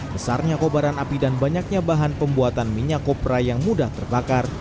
besarnya kobaran api dan banyaknya bahan pembuatan minyak kopra yang mudah terbakar